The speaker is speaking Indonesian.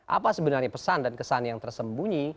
apa sebenarnya pesan dan kesan yang tersembunyi